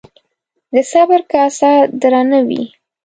د صبر کاسه درانه وي